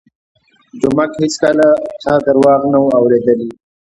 جومک هېڅکله چا درواغ نه وو اورېدلي.